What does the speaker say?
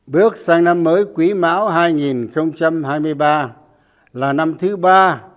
bước sang năm mới quý mão hai nghìn hai mươi ba là năm thứ ba